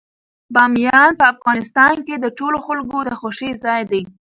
بامیان په افغانستان کې د ټولو خلکو د خوښې ځای دی.